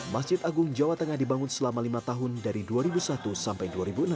masjid agung jawa tengah dibangun selama lima tahun dari dua ribu satu sampai dua ribu enam belas